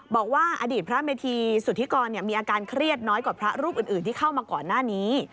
บอกว่าอดีตพระเมธีสุธิกรมีอาการเครียดน้อยกว่าพระรูปอื่นที่เข้ามาก่อนหน้านี้